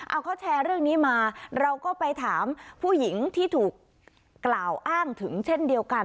เอาเขาแชร์เรื่องนี้มาเราก็ไปถามผู้หญิงที่ถูกกล่าวอ้างถึงเช่นเดียวกัน